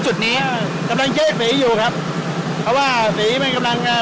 จุดนี้อ่ากำลังเช็คฝีอยู่ครับเพราะว่าฝีมันกำลังอ่า